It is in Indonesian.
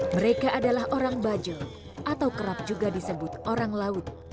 mereka adalah orang bajo atau kerap juga disebut orang laut